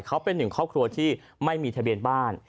เขาเป็นหนึ่งครอบครัวที่ไม่มีทะเบียนบ้าน